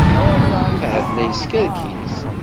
Ahat la yeskerkis.